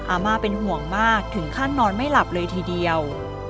อาม่าเป็นห่วงมากถึงขั้นนอนไม่หลับเลยทีเดียว